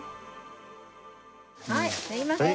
はいすみませんね。